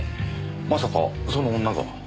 まさかその女が？